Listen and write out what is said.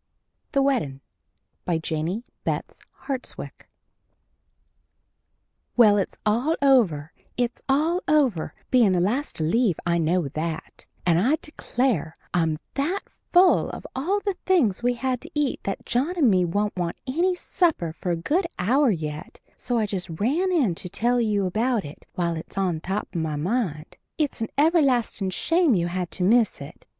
] THE WEDDIN' BY JENNIE BETTS HARTSWICK Well, it's over, it's all over bein' the last to leave I know that and I declare, I'm that full of all the things we had to eat that John and me won't want any supper for a good hour yet, so I just ran in to tell you about it while it's on top of my mind. It's an everlastin' shame you had to miss it!